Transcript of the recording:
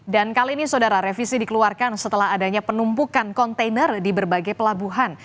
dan kali ini saudara revisi dikeluarkan setelah adanya penumpukan kontainer di berbagai pelabuhan